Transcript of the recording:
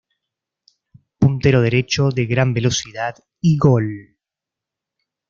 Puntero derecho de gran velocidad y gol.